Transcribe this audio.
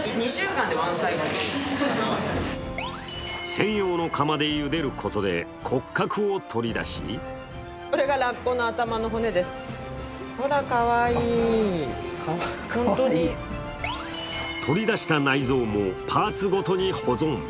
専用の釜でゆでることで骨格を取り出し取り出した内臓もパーツごとに保存。